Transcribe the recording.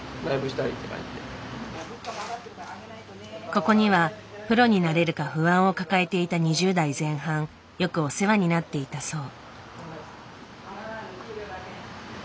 ここにはプロになれるか不安を抱えていた２０代前半よくお世話になっていたそう。